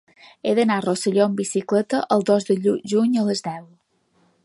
He d'anar a Rosselló amb bicicleta el dos de juny a les deu.